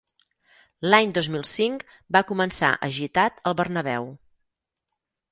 L'any dos mil cinc va començar agitat al Bernabéu.